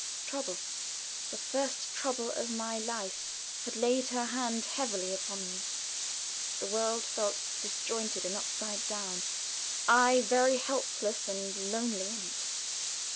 Trouble the first trouble of my life had laid her hand heavily upon me. The world felt disjointed and all upside down; I very helpless and lonely in it.